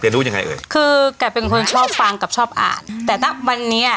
รู้ยังไงเอ่ยคือแกเป็นคนชอบฟังกับชอบอ่านแต่ถ้าวันนี้อ่ะ